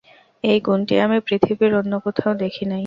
এই গুণটি আমি পৃথিবীর অন্য কোথাও দেখি নাই।